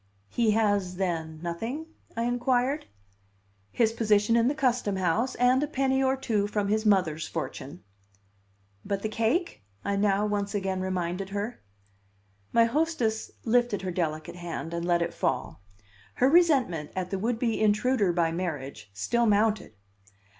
"He has, then, nothing?" I inquired. "His position in the Custom House, and a penny or two from his mother's fortune." "But the cake?" I now once again reminded her. My hostess lifted her delicate hand and let it fall. Her resentment at the would be intruder by marriage still mounted.